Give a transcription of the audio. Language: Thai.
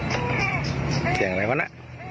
เสียงอะไรวะน่ะ